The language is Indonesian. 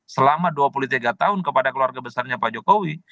selama dua puluh tiga tahun kepada keluarga besarnya pak jokowi